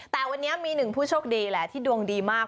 แต่วันนี้มีหนึ่งผู้โชคดีแหละที่ดวงดีมาก